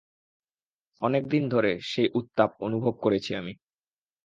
অনেকদিন ধরে সেই উত্তাপ অনুভব করেছি আমি।